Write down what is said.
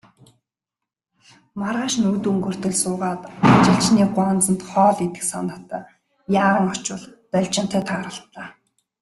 Маргааш нь үд өнгөртөл суугаад, ажилчны гуанзанд хоол идэх санаатай яаран очвол Должинтой тааралдлаа.